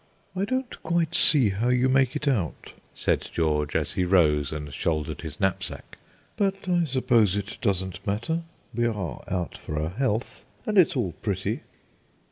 "I don't quite see how you make it out," said George, as he rose and shouldered his knapsack; "but I suppose it doesn't matter. We are out for our health, and it's all pretty!"